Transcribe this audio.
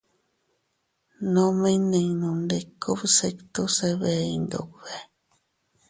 Nome iynninundiku bsitu se bee Iyndube.